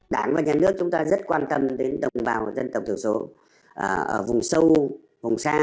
đảng và nhà nước chúng ta rất quan tâm đến đồng bào dân tộc thiểu số ở vùng sâu vùng xa